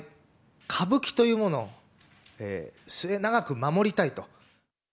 歌舞伎というものを末永く守りたいと。